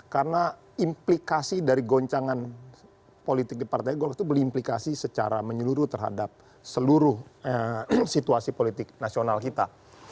karena implikasi dari goncangan politik di partai golkar itu berimplikasi secara menyeluruh terhadap seluruh situasi politik nasional kita